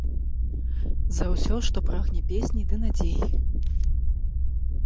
За ўсё, што прагне песні ды надзей.